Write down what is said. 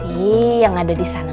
ih yang ada disana